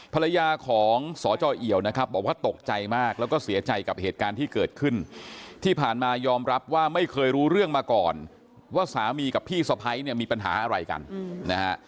ภรรยาของสจเอี่ยวนะครับบอกว่าตกใจมากแล้วก็เสียใจกับเหตุการณ์ที่เกิดขึ้นที่ผ่านมายอมรับว่าไม่เคยรู้เรื่องมาก่อนว่าสามีกับพี่สะพ้ายเนี่ยมีปัญหาอะไรกันนะฮะ